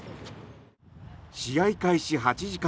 試合開始８時間